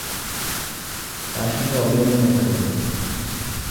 তাঁর সঙ্গে অবিলম্বে দেখা করবে।